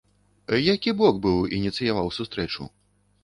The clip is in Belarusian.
Які бок быў ініцыяваў сустрэчу?